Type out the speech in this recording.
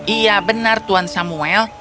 iya benar tuan samuel